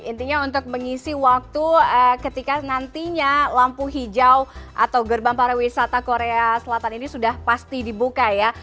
intinya untuk mengisi waktu ketika nantinya lampu hijau atau gerbang para wisata korea selatan ini sudah pasti dibuka ya